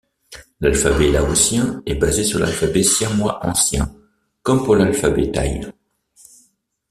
L'alphabet laotien est basé sur l’alphabet siamois ancien, comme pour l’alphabet thaï.